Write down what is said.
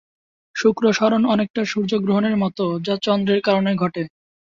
শুক্র সরণ অনেকটা সূর্য গ্রহণের মত যা চন্দ্রের কারণে ঘটে।